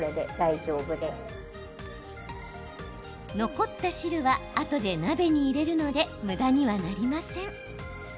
残った汁はあとで鍋に入れるのでむだにはなりません。